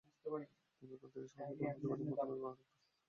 তবে এখন তিনি সামাজিক যোগাযোগমাধ্যম ব্যবহারে একটু সংযত থাকবেন বলে জানিয়েছেন।